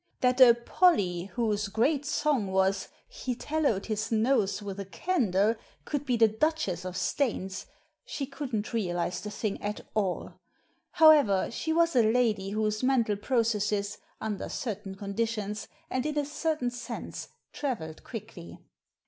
That a "Polly," whose "great song" was "He tallowed his nose with a candle," could be the Duchess of Staines — she couldn't realise the thing at all. However, she was a lady whose mental processes, under certain conditions, and in a certain sense, travelled quickly.